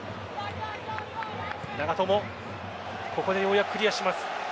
ここでようやくクリアします。